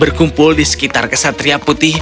berkumpul di sekitar kesatria putih